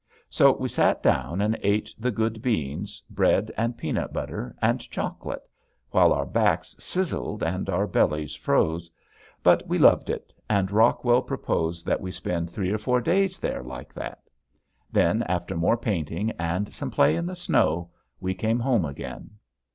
So we sat down and ate the good beans, bread and peanut butter, and chocolate, while our backs sizzled and our bellies froze. But we loved it and Rockwell proposed that we spend three or four days there like that. Then after more painting and some play in the snow we came home again.